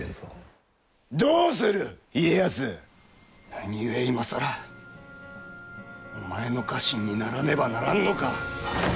何故今更お前の家臣にならねばならんのか！